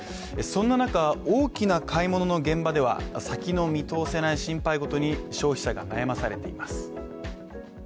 そんな中、大きな買い物の現場では先の見通せない心配事に消費者が悩まされています。